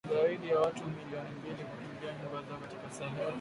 zaidi ya watu milioni mbili kukimbia nyumba zao katika Sahel